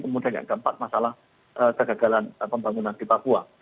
kemudian yang keempat masalah kegagalan pembangunan di papua